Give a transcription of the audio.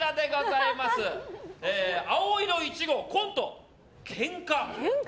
青色１号、コント、ケンカ。